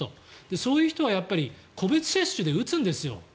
そういう人はやっぱり個別接種で打つんですよ。